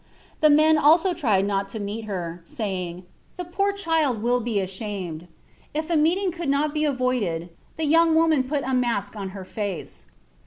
The men also tried not to meet her, saying, 'The poor child will be ashamed.' If a meeting could not be avoided the young woman put a mask on her face....